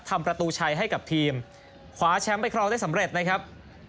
ทำประตูชัยให้กับทีมขวาแชมป์ไปครองได้สำเร็จนะครับ